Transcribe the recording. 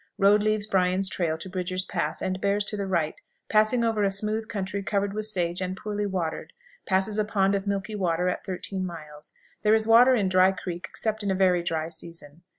Road leaves Bryan's trail to Bridger's Pass, and bears to the right, passing over a smooth country covered with sage and poorly watered; passes a pond of milky water at thirteen miles. There is water in Dry Creek except in a very dry season.